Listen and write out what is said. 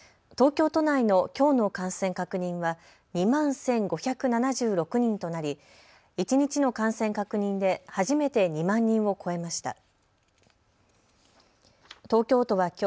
東京都内のきょうの感染確認は２万１５７６人となり一日の感染確認で初めて２万人を超えました。